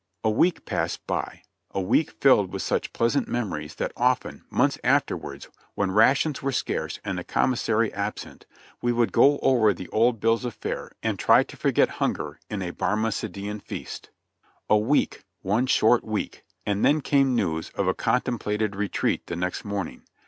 A week passed by ; a week filled with such pleasant memories that often, months afterwards, when rations v.ere scarce and the commissary absent, we would go over the old bills of fare and try to forget hunger in a Barmecidean feast. A week — one short week — and then came news of a contem plated retreat the next morning.